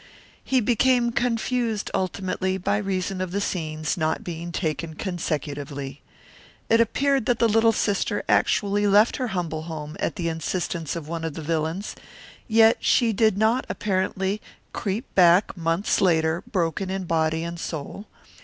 He became confused, ultimately, by reason of the scenes not being taken consecutively. It appeared that the little sister actually left her humble home at the insistence of one of the villains, yet she did not, apparently, creep back months later broken in body and soul.